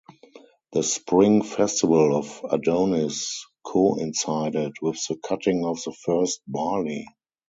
The spring festival of Adonis coincided with the cutting of the first barley.